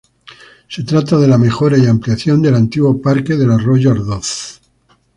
Se trata de la mejora y ampliación del antiguo parque del arroyo Ardoz.